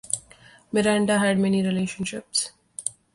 Miranda had many relationships.